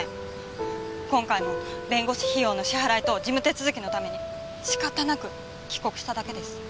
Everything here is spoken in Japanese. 今回も弁護士費用の支払い等事務手続きのために仕方なく帰国しただけです。